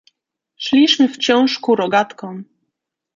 "Szliśmy wciąż ku rogatkom."